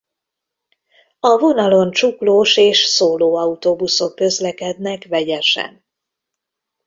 A vonalon csuklós és szóló autóbuszok közlekednek vegyesen.